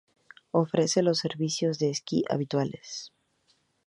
Ofrece los servicios de esquí habituales.